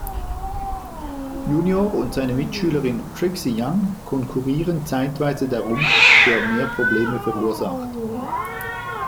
Junior und seine Mitschülerin Trixie Young konkurrieren zeitweise darum, wer mehr Probleme verursacht.